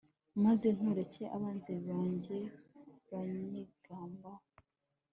maze ntureke abanzi banjye banyigambaho